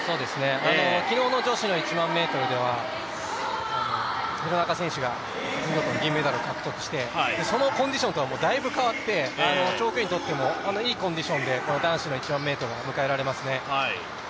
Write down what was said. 昨日の女子の１００００ｍでは、廣中選手が見事メダルを獲得して、そのコンディションとはだいぶ変わって、長距離にとってもいいコンディションで男子の１００００ｍを迎えられますね。